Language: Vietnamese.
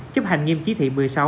chấp hành nghiêm chí thị một mươi sáu